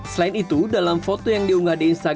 selain itu dalam foto yang diunggah di instagram